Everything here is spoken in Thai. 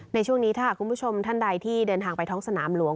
ในช่วงนี้ถ้าหากคุณผู้ชมท่านใดที่เดินทางไปท้องสนามหลวง